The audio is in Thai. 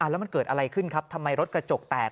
แล้วมันเกิดอะไรขึ้นครับทำไมรถกระจกแตก